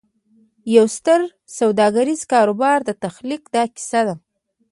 د یوه ستر سوداګریز کاروبار د تخلیق دا کیسه ده